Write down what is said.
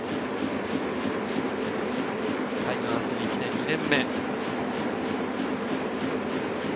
タイガースに来て２年目。